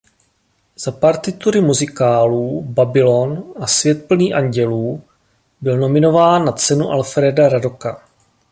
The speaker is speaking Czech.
Za partitury muzikálů „Babylon“ a „Svět plný andělů“ byl nominován na Cenu Alfréda Radoka.